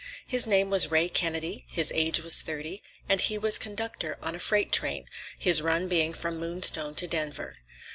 His name was Ray Kennedy, his age was thirty, and he was conductor on a freight train, his run being from Moonstone to Denver.